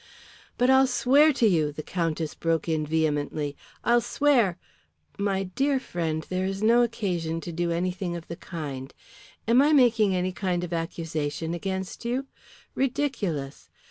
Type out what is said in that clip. "But I'll swear to you," the Countess broke in vehemently. "I'll swear " "My dear friend, there is no occasion to do anything of the kind. Am I making any kind of accusation against you? Ridiculous!